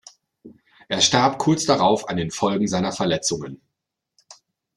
Er starb kurz darauf an den Folgen seiner Verletzungen.